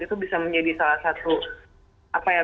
itu bisa menjadi salah satu apa ya